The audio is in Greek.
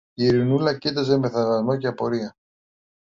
Η Ειρηνούλα κοίταζε με θαυμασμό και απορία.